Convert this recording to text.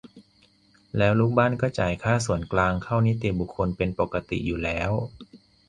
แล้วลูกบ้านก็จ่ายค่าส่วนกลางเข้านิติบุคคลเป็นปกติอยู่แล้ว